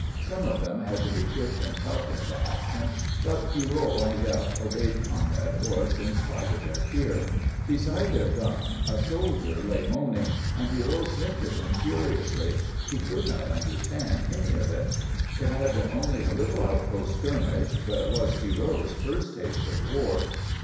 Some of them had to be kicked and cuffed into action, but Pierrot and Jef obeyed Conrad Orts in spite of their fear. Beside their gun a soldier lay moaning, and Pierrot sniffed at him curiously. He could not understand any of it. It had been only a little outpost skirmish, but it was Pierrot's first taste of war.